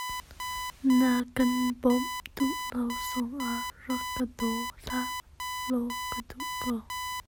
Na kan bawmh duh lo zong ah rak kan dawn hlah law kan duh ko.